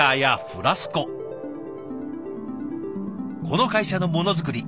この会社のものづくり